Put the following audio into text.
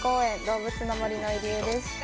動物の森の入江です